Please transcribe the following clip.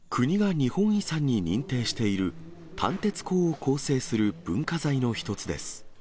国が日本遺産に認定している鍛鉄港を構成する文化財の一つです。